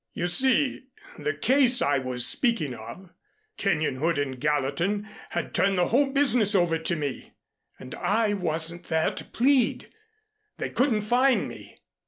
You see the case I was speaking of Kenyon, Hood and Gallatin had turned the whole business over to me, and I wasn't there to plead. They couldn't find me.